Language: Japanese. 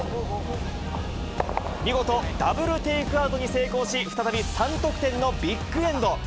見事、ダブルテイクアウトに成功し、再び３得点のビッグエンド。